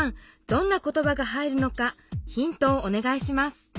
どんな言ばが入るのかヒントをお願いします